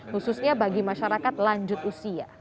khususnya bagi masyarakat lanjut usia